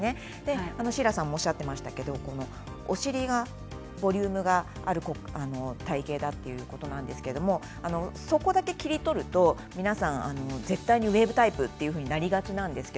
シーラさんもおっしゃっていましたがお尻がボリュームがある体形だということなんですがそこだけ切り取ると皆さんウエーブタイプとなりがちなんです。